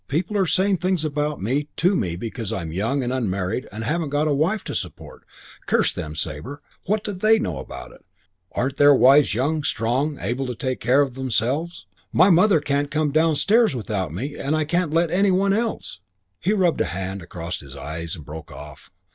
People are saying things about me and to me because I'm young and unmarried and haven't got a wife to support. Curse them, Sabre what do they know about it? Aren't their wives young, strong, able to take care of themselves? My mother can't come downstairs without me and can't let any one else " He rubbed a hand across his eyes and broke off.